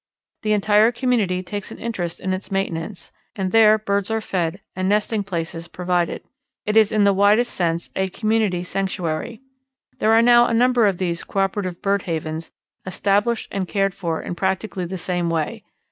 The entire community takes an interest in its maintenance, and there birds are fed and nesting places provided. It is in the widest sense a "community sanctuary." There are now a number of these coöperative bird havens established and cared for in practically the same way.